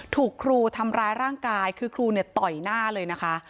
ถูกครูทำร้ายร่างกายคือครูเนี่ยต่อยหน้าเลยนะคะ